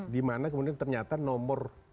di mana kemudian ternyata nomor